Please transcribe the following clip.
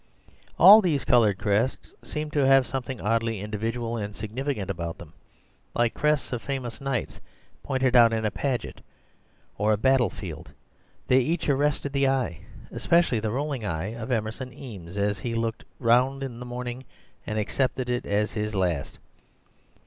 All these coloured crests seemed to have something oddly individual and significant about them, like crests of famous knights pointed out in a pageant or a battlefield: they each arrested the eye, especially the rolling eye of Emerson Eames as he looked round on the morning and accepted it as his last.